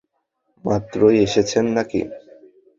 মাত্রই এসেছেন নাকি?